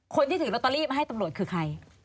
คนที่ถือลอตเตอรี่มาให้ตำรวจคือใคร